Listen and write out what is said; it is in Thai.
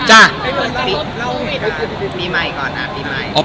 อัครยาอร์ด